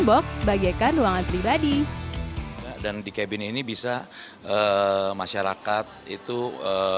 box bagaikan ruangan pribadi dan di cabin ini bisa masyarakat itu bisa menikmati hiburan hiburannya macam macam